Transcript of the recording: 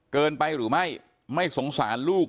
เกินไปหรือไม่ไม่สงสารลูก